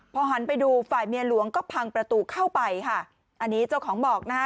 พอหันไปดูฝ่ายเมียหลวงก็พังประตูเข้าไปค่ะอันนี้เจ้าของบอกนะฮะ